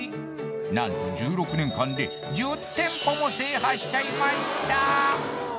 何と１６年間で１０店舗も制覇しちゃいました！